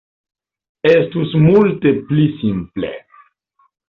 Estus multe pli simple.